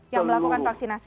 yang melakukan vaksinasi